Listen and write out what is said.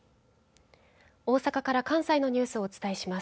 大阪から関西のニュースをお伝えします。